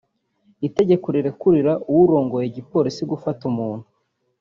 Itegeko rirekurira uwurongoye igipolisi gufata umuntu